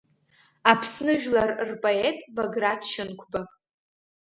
Аԥсны жәлар рпоет Баграт Шьынқәба.